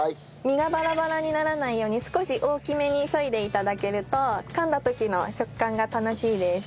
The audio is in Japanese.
実がバラバラにならないように少し大きめにそいで頂けるとかんだ時の食感が楽しいです。